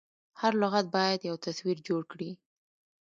هر لغت باید یو تصویر جوړ کړي.